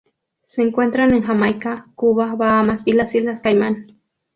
Se encuentran en Jamaica, Cuba, Bahamas y las Islas Caimán.